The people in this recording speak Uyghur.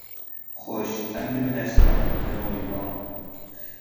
خوش، ئەمدى مېنى ئەسلىمەڭ، مېنى ئويلىماڭ.